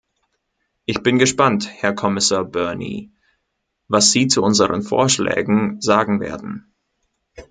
Ich bin gespannt, Herr Kommissar Byrne, was Sie zu unseren Vorschlägen sagen werden!